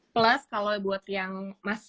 plus kalau buat yang mas